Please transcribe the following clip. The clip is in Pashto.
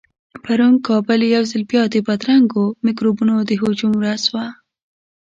پرون کابل يو ځل بيا د بدرنګو مکروبونو د هجوم ورځ وه.